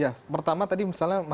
ya pertama tadi misalnya